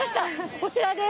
こちらです。